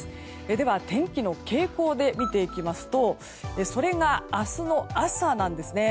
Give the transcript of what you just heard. では、天気の傾向で見ていきますとそれが、明日の朝なんですね。